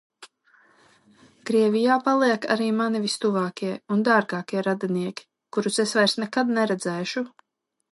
Krievijā paliek arī mani vistuvākie un dārgākie radinieki, kurus es vairs nekad neredzēšu.